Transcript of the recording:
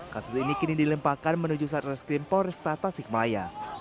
kasus ini kini dilemparkan menuju satreskrim polresta tasik malaya